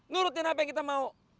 nurutin apa yang kita mau